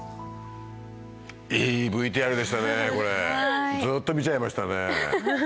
いいＶＴＲでしたねこれずっと見ちゃいましたね。